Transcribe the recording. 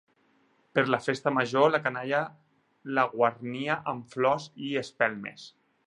Per la Festa Major la canalla la guarnia amb flors i espelmes.